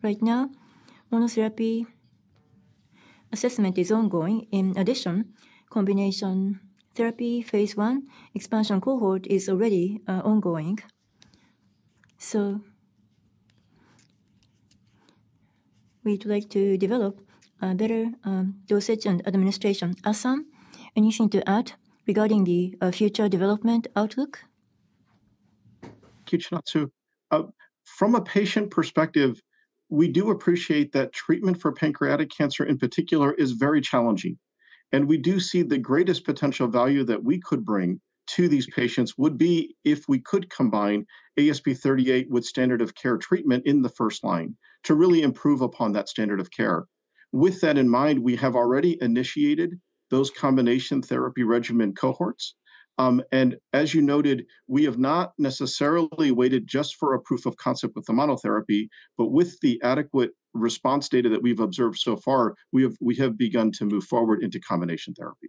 right now, monotherapy assessment is ongoing. In addition, combination therapy phase I expansion cohort is already ongoing. So, we'd like to develop a better dosage and administration. Ahsan, anything to add regarding the future development outlook? Thank you, Chinatsu. From a patient perspective, we do appreciate that treatment for pancreatic cancer, in particular, is very challenging. And we do see the greatest potential value that we could bring to these patients would be if we could combine ASP3082 with standard of care treatment in the first line to really improve upon that standard of care. With that in mind, we have already initiated those combination therapy regimen cohorts. And as you noted, we have not necessarily waited just for a proof of concept with the monotherapy, but with the adequate response data that we've observed so far, we have begun to move forward into combination therapy.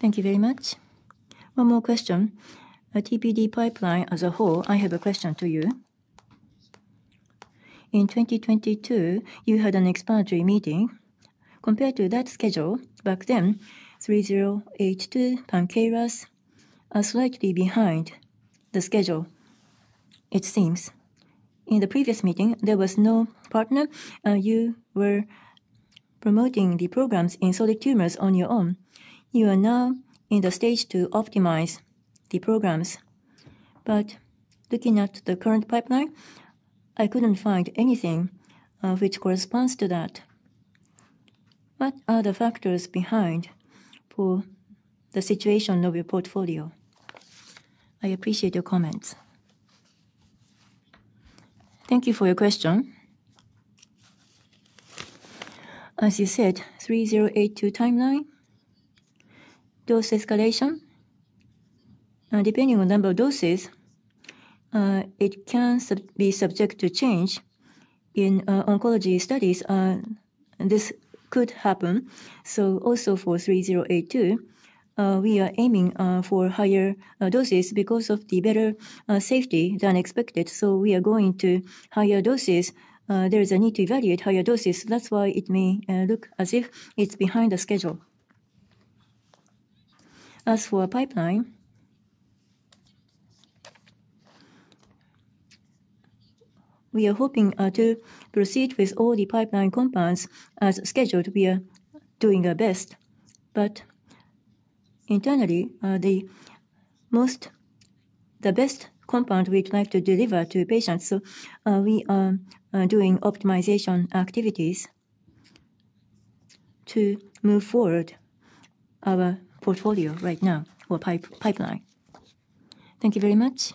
Thank you very much. One more question. The TPD pipeline as a whole, I have a question to you. In 2022, you had an exploratory meeting compared to that schedule. Back then, ASP3082 and pan-KRAS are slightly behind the schedule, it seems. In the previous meeting, there was no partner, you were promoting the programs in solid tumors on your own. You are now in the stage to optimize the programs. But looking at the current pipeline, I couldn't find anything which corresponds to that. What are the factors behind for the situation of your portfolio? I appreciate your comments. Thank you for your question. As you said, ASP3082 timeline, dose escalation. Depending on number of doses, it can be subject to change. In oncology studies, this could happen. So also, for ASP3082, we are aiming for higher doses because of the better safety than expected. So, we are going to higher doses. There is a need to evaluate higher doses. That's why it may look as if it's behind the schedule. As for our pipeline, we are hoping to proceed with all the pipeline compounds as scheduled. We are doing our best. But internally, the best compound we'd like to deliver to patients, so we are doing optimization activities to move forward our portfolio right now, or pipeline. Thank you very much.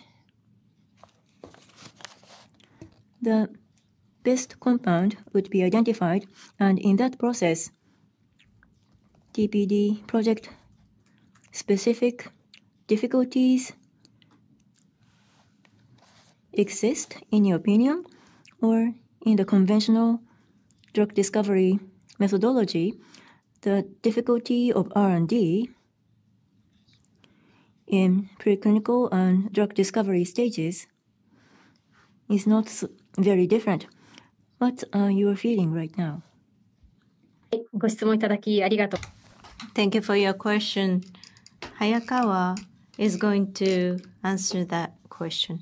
The best compound would be identified, and in that process, TPD project-specific difficulties exist in your opinion? Or in the conventional drug discovery methodology, the difficulty of R&D in preclinical and drug discovery stages is not very different. What are you feeling right now? Thank you for your question. Hayakawa is going to answer that question.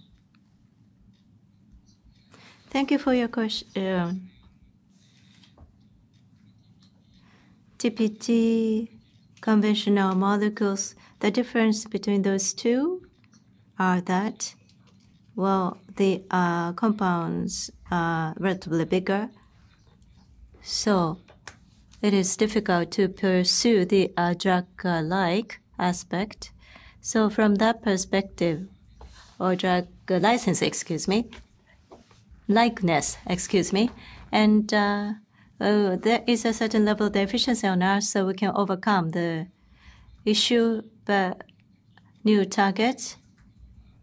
TPD conventional molecules, the difference between those two are that the compounds are relatively bigger, so it is difficult to pursue the drug-likeness. So from that perspective or drug-likeness, excuse me. And there is a certain level of deficiency on our side so we can overcome the issue. The new target,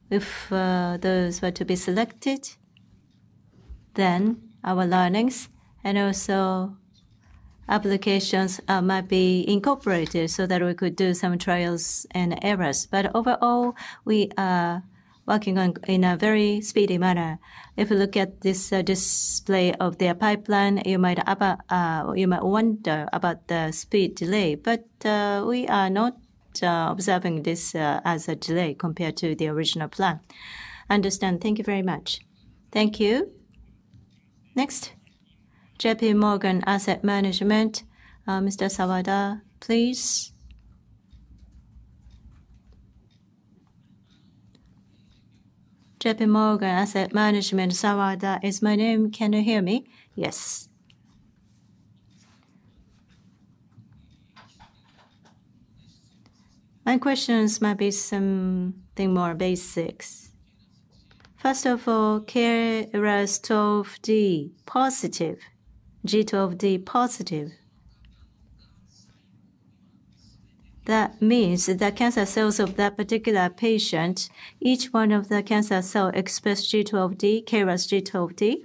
if those were to be selected, then our learnings and also applications might be incorporated so that we could do some trials and errors. But overall, we are working on in a very speedy manner. If you look at this display of their pipeline, you might about you might wonder about the speed delay. But we are not observing this as a delay compared to the original plan. Understand. Thank you very much. Thank you. Next, JPMorgan Asset Management, Mr. Sawada, please. JPMorgan Asset Management, Sawada is my name. Can you hear me? Yes. My questions might be something more basics. First of all, KRAS G12D positive, G12D positive. That means that the cancer cells of that particular patient, each one of the cancer cell express G12D, KRAS G12D,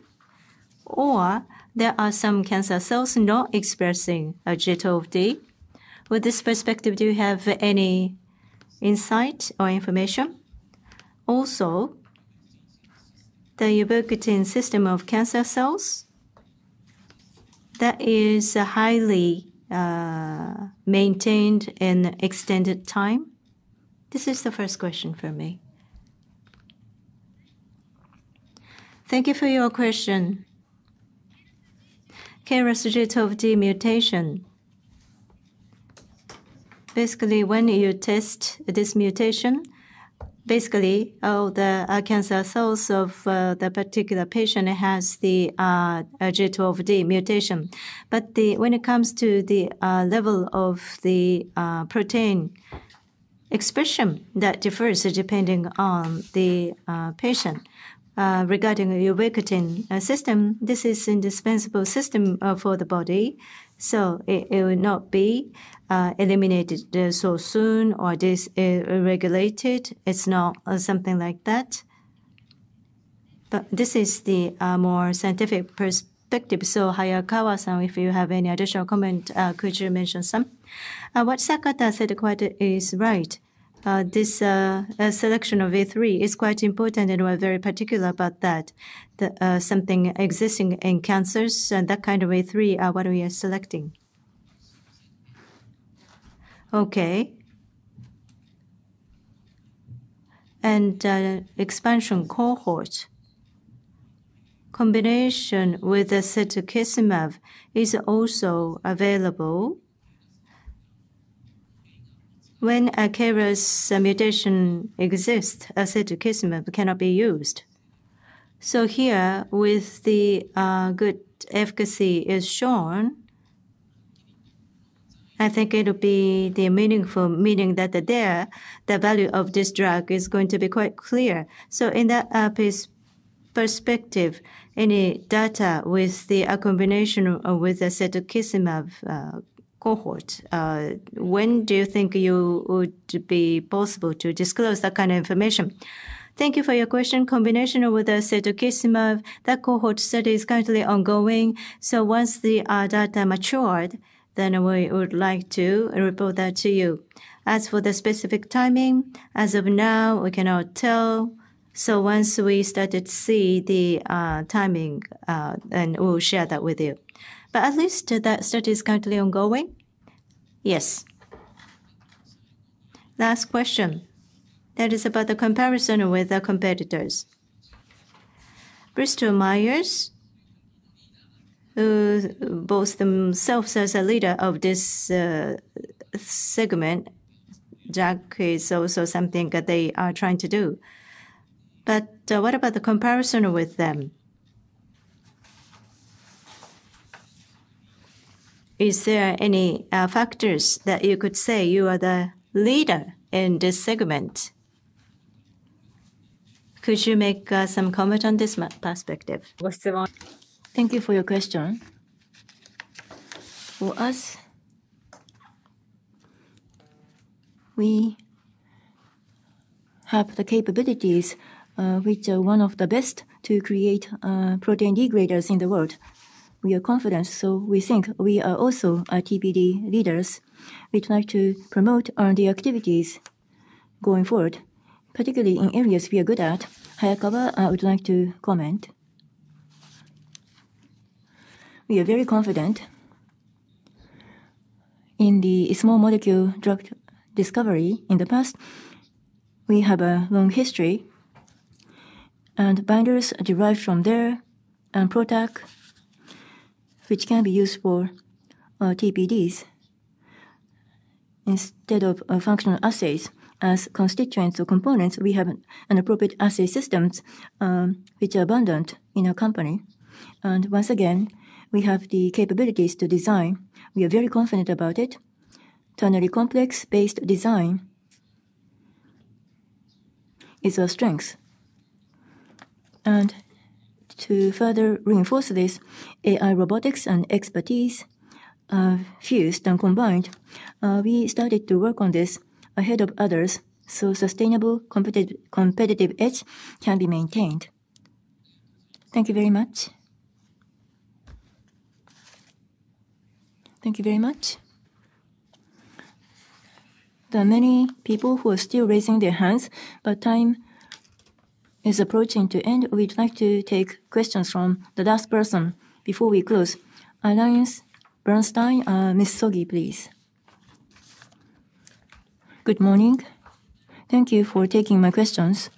or there are some cancer cells not expressing G12D. With this perspective, do you have any insight or information? Also, the ubiquitin system of cancer cells, that is highly maintained in extended time. This is the first question from me. Thank you for your question. KRAS G12D mutation. Basically, when you test this mutation, basically, all the cancer cells of the particular patient has the G12D mutation. But when it comes to the level of the protein expression, that differs depending on the patient. Regarding the ubiquitin system, this is indispensable system for the body, so it will not be eliminated so soon, or dysregulated. It's not something like that. But this is the more scientific perspective. So Hayakawa-san, if you have any additional comment, could you mention some? What Sakata said is quite right. This selection of E3 is quite important, and we're very particular about that. The something existing in cancers and that kind of E3 are what we are selecting. Okay. And expansion cohort. Combination with the cetuximab is also available. When a KRAS mutation exists, a cetuximab cannot be used. So here, with the good efficacy is shown, I think it'll be the meaningful, meaning that the data, the value of this drug is going to be quite clear. So, in that perspective, any data with a combination with the cetuximab cohort, when do you think you would be possible to disclose that kind of information? Thank you for your question. Combination with the cetuximab, that cohort study is currently ongoing, so once the data matured, then we would like to report that to you. As for the specific timing, as of now, we cannot tell, so once we started to see the timing, then we'll share that with you. But at least that study is currently ongoing? Yes. Last question. That is about the comparison with the competitors. Bristol Myers, who boasts themselves as a leader of this segment, DAC is also something that they are trying to do. But, what about the comparison with them? Is there any factors that you could say you are the leader in this segment? Could you make some comment on this perspective? Thank you for your question. For us, we have the capabilities, which are one of the best to create protein degraders in the world. We are confident, so we think we are also TPD leaders. We'd like to promote R&D activities going forward, particularly in areas we are good at. Hayakawa, would like to comment. We are very confident. In the small molecule drug discovery in the past, we have a long history, and binders are derived from there, and PROTAC, which can be used for TPDs. Instead of functional assays as constituents or components, we have an appropriate assay systems, which are abundant in our company. And once again, we have the capabilities to design. We are very confident about it. Ternary complex-based design is our strength. And to further reinforce this, AI, robotics, and expertise are fused and combined. We started to work on this ahead of others, so sustainable, competitive edge can be maintained. Thank you very much. There are many people who are still raising their hands, but time is approaching to end. We'd like to take questions from the last person before we close. AllianceBernstein, Miss Sogi, please. Good morning. Thank you for taking my questions.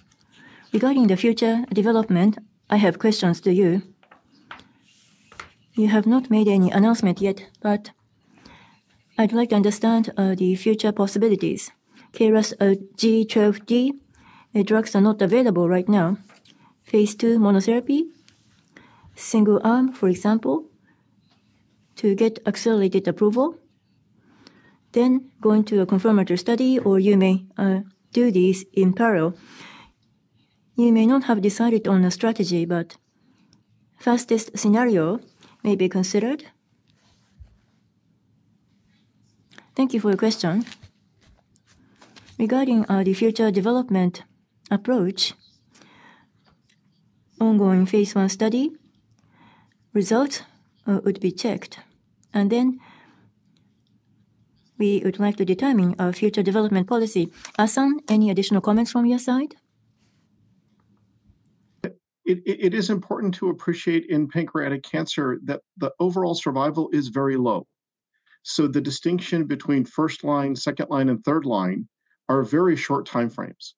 Regarding the future development, I have questions to you. You have not made any announcement yet, but I'd like to understand, the future possibilities. KRAS G12D drugs are not available right now. Phase II monotherapy, single arm, for example, to get accelerated approval, then going to a confirmatory study, or you may, do these in parallel. You may not have decided on a strategy, but fastest scenario may be considered? Thank you for your question. Regarding the future development approach, ongoing phase one study results would be checked, and then we would like to determine our future development policy. Ahsan, any additional comments from your side? It is important to appreciate in pancreatic cancer that the overall survival is very low. So, the distinction between first line, second line, and third line are very short timeframes.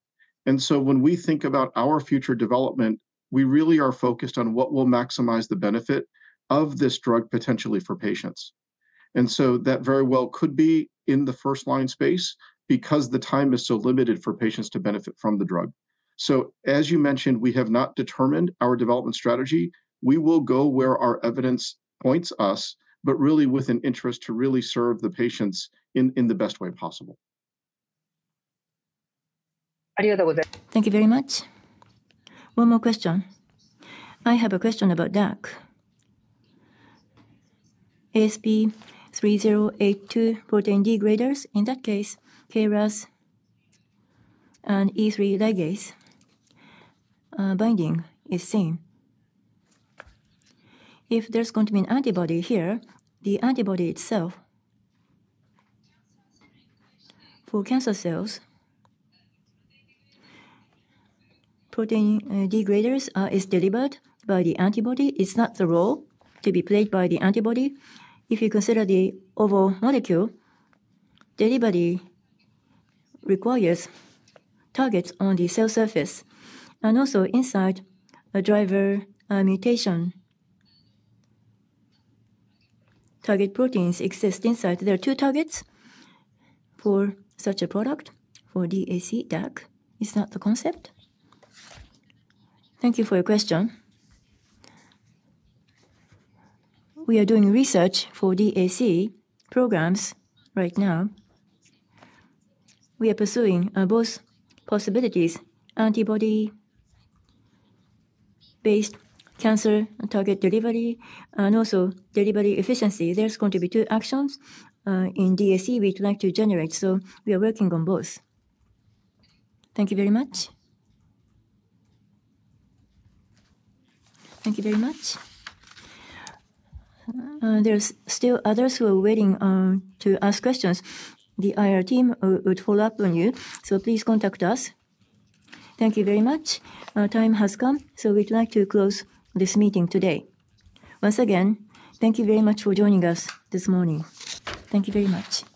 And so, when we think about our future development, we really are focused on what will maximize the benefit of this drug, potentially for patients. And so that very well could be in the first line space, because the time is so limited for patients to benefit from the drug. So, as you mentioned, we have not determined our development strategy. We will go where our evidence points us, but really with an interest to really serve the patients in the best way possible. Thank you very much. One more question. I have a question about DAC. ASP3082 protein degraders. In that case, KRAS and E3 ligase binding is seen. If there's going to be an antibody here, the antibody itself for cancer cells, protein, degraders, is delivered by the antibody. It's not the role to be played by the antibody. If you consider the overall molecule, delivery requires targets on the cell surface, and also inside a driver, mutation. Target proteins exist inside. There are two targets for such a product, for DAC, DAC. Is that the concept? Thank you for your question. We are doing research for DAC programs right now. We are pursuing both possibilities: antibody-based cancer target delivery and also delivery efficiency. There's going to be two actions in DAC we'd like to generate, so we are working on both. Thank you very much. Thank you very much. There's still others who are waiting to ask questions. The IR team will follow up on you, so please contact us. Thank you very much. Time has come, so we'd like to close this meeting today. Once again, thank you very much for joining us this morning. Thank you very much.